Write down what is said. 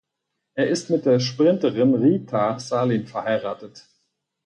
Er ist mit der Sprinterin Riitta Salin verheiratet.